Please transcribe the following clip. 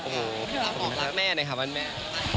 คุณแม่ไหนค่ะวันแม่